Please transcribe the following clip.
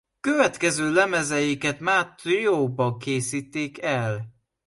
Következő lemezeiket már trióban készítik el.